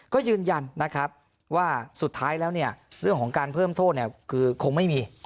ก็ยืนยันว่าสุดท้ายแล้วเนี่ยเรื่องของการเพิ่มโทษคงไม่มี